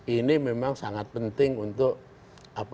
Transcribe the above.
ini memang sangat penting untuk apa